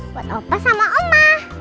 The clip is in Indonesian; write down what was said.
buat opa sama oma